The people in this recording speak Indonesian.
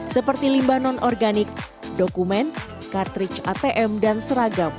seperti limbah non organik dokumen catrich atm dan seragam